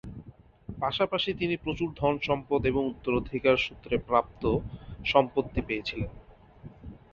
পাশাপাশি তিনি প্রচুর ধনসম্পদ এবং উত্তরাধিকারসূত্রে প্রাপ্ত সম্পত্তি পেয়েছিলেন।